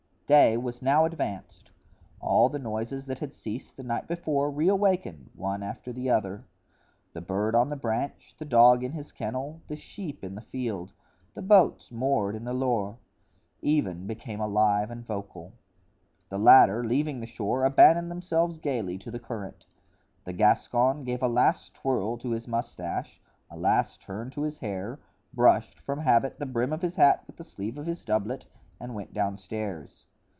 Day was now advanced; all the noises that had ceased the night before reawakened, one after the other. The bird on the branch, the dog in his kennel, the sheep in the field, the boats moored in the Loire, even, became alive and vocal. The latter, leaving the shore, abandoned themselves gaily to the current. The Gascon gave a last twirl to his mustache, a last turn to his hair, brushed, from habit, the brim of his hat with the sleeve of his doublet, and went downstairs.